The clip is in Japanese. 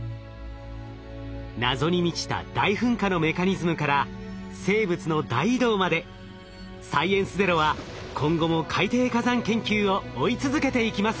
謎に満ちた大噴火のメカニズムから生物の大移動まで「サイエンスＺＥＲＯ」は今後も海底火山研究を追い続けていきます。